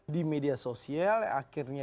di media sosial akhirnya